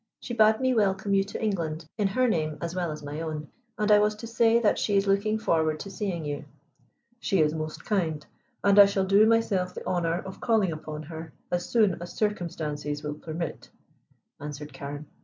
"She bade me welcome you to England in her name as well as my own, and I was to say that she is looking forward to seeing you." "She is most kind, and I shall do myself the honor of calling upon her as soon as circumstances will permit," answered Carne.